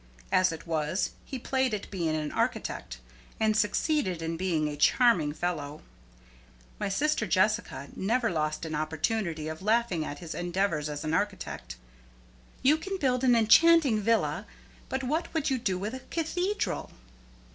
As it was, he played at being an architect and succeeded in being a charming fellow. My sister Jessica never lost an opportunity of laughing at his endeavors as an architect. "You can build an enchanting villa, but what would you do with a cathedral?"